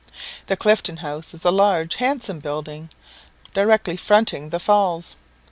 The Clifton House is a large, handsome building, directly fronting the Falls.